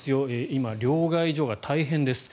今、両替所が大変です。